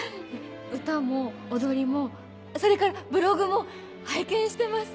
歌も踊りもそれからブログも拝見してます。